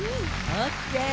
オッケー！